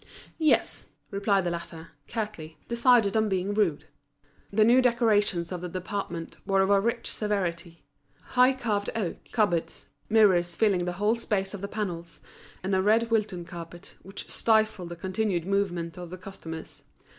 "Yes," replied the latter, curtly, decided on being rude. The new decorations of the department were of a rich severity: high carved oak cupboards, mirrors filling the whole space of the panels, and a red Wilton carpet, which stifled the continued movement of the customers.